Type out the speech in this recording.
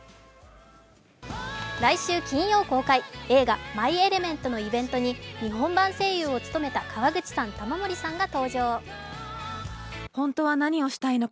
来週金曜公開、映画「マイ・エレメント」のイベントに日本版声優を務めた川口さん、玉森さんが登場。